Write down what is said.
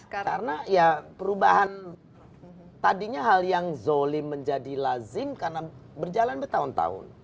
karena ya perubahan tadinya hal yang zolim menjadi lazim karena berjalan bertahun tahun